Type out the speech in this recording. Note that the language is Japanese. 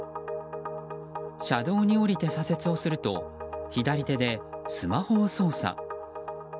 車道に降りて左折をすると左手でスマホを操作。